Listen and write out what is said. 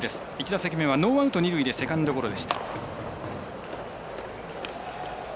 １打席目はノーアウト二塁でセカンドゴロ。